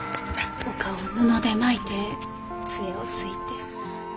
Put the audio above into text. お顔を布で巻いて杖をついて。